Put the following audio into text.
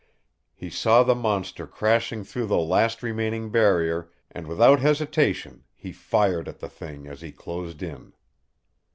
He saw the monster crashing through the last remaining barrier, and without hesitation he fired at the thing as he closed in.